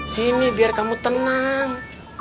sini biar kamu tenang